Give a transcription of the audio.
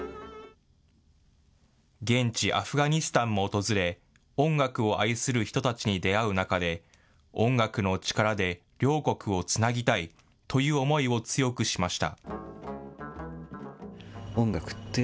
現地アフガニスタンも訪れ、音楽を愛する人たちに出会う中で、音楽の力で両国をつなぎたいという思いを強くしました。